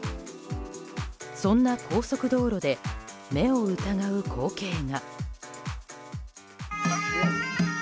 そんな高速道路で目を疑う光景が。